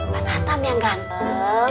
mas hatam yang ganteng